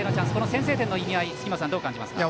先制点の意味合い杉本さん、どう感じますか？